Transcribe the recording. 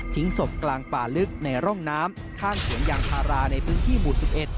ศพกลางป่าลึกในร่องน้ำข้างสวนยางพาราในพื้นที่หมู่๑๑